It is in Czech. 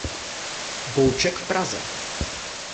Bouček v Praze.